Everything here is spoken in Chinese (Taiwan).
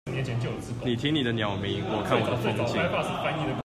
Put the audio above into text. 你聽你的鳥鳴，我看我的風景